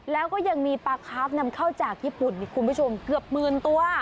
แล้วก็ยังมีปลาคาร์ฟนำเข้าจากญี่ปุ่นคุณผู้ชมเกือบหมื่นตัว